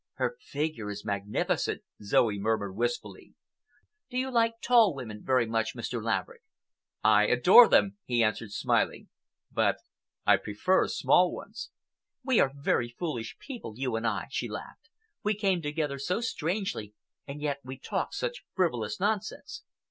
"Her figure is magnificent," Zoe murmured wistfully. "Do you like tall women very much, Mr. Laverick?" "I adore them," he answered, smiling, "but I prefer small ones." "We are very foolish people, you and I," she laughed. "We came together so strangely and yet we talk such frivolous nonsense."